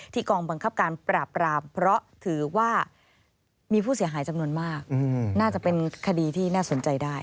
กองบังคับการปราบรามเพราะถือว่ามีผู้เสียหายจำนวนมากน่าจะเป็นคดีที่น่าสนใจได้